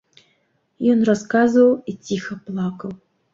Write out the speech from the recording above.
Ён расказваў і ціха плакаў.